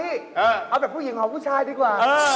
เอาแบบผู้หญิงของผู้ชายดีกว่า